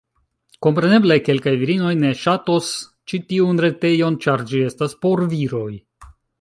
Kompreneble, kelkaj virinoj ne ŝatos ĉi tiun retejon, ĉar ĝi estas por viroj.